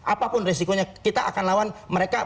apapun resikonya kita akan lawan mereka